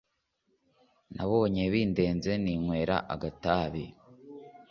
nabona bindenze nkinywera agatabi